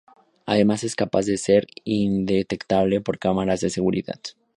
Además es capaz de ser indetectable por cámaras de seguridad.